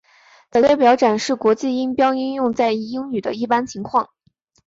此列表展示国际音标应用在英语的一般情况。